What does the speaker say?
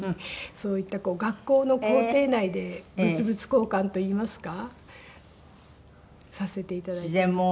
そういった学校の校庭内で物々交換といいますかさせて頂いています。